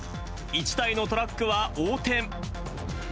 １台のトラックは横転。